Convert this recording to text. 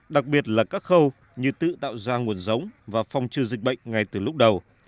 đặc biệt là các khâu như tự tạo ra nguồn giống và phòng trừ dịch bệnh ngay từ lúc đầu